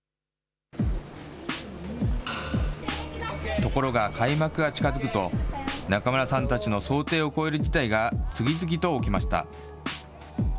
ところが開幕が近づくと、中村さんたちの想定を超える事態が次々と起きました。